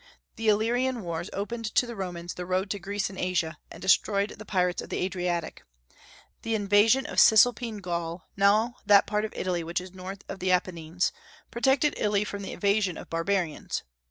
The Illyrian wars opened to the Romans the road to Greece and Asia, and destroyed the pirates of the Adriatic. The invasion of Cisalpine Gaul, now that part of Italy which is north of the Apennines, protected Italy from the invasion of barbarians.